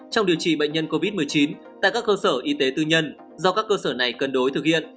trong điều trị bệnh nhân covid một mươi chín tại các cơ sở y tế tư nhân do các cơ sở này cân đối thực hiện